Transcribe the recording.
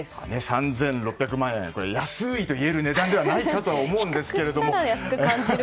３６００万円安いと言える値段ではないかと思うんですけれども。